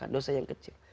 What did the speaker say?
dosa yang kecil